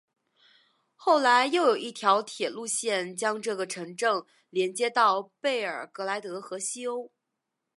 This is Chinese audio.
后来又有一条铁路线将这个城镇连接到贝尔格莱德和西欧。